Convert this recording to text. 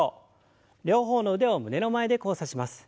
両方の腕を胸の前で交差します。